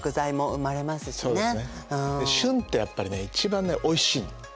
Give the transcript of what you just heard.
旬ってやっぱりね一番ねおいしいの。